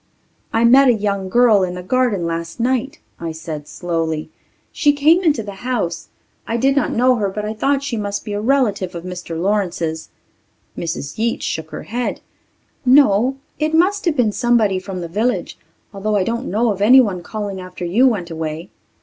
"I met a young girl in the garden last night," I said slowly. "She came into the house. I did not know her but I thought she must be a relative of Mr. Lawrence's." Mrs. Yeats shook her head. "No. It must have been somebody from the village, although I didn't know of anyone calling after you went away."